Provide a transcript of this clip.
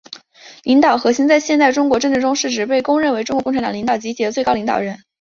领导核心在现代中国政治中是指被公认为中国共产党领导集体的最高领导人。